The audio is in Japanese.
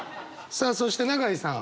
さあそして永井さん。